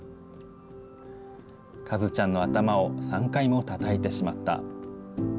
和ちゃんの頭を３回もたたいてしまった。